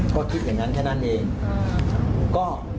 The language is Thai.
ก็คิดอย่างนั้นแค่นั้นเอง